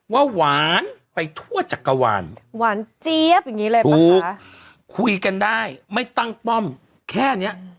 ว่าหวานไปทั่วจักรวาหญ์